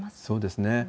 そうですね。